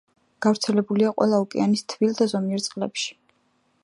გავრცელებულია ყველა ოკეანის თბილ და ზომიერ წყლებში.